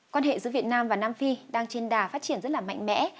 quan hệ giữa việt nam và nam phi đang trên đà phát triển rất là mạnh mẽ